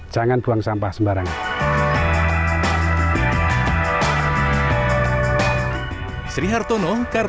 jangan buang sampah sembarangan